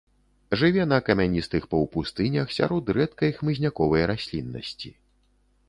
Жыве на камяністых паўпустынях, сярод рэдкай хмызняковай расліннасці.